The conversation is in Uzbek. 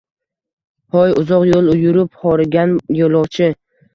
Hoy, uzoq yo`l yurib, horigan yo`lovchi